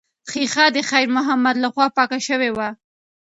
ښیښه د خیر محمد لخوا پاکه شوې وه.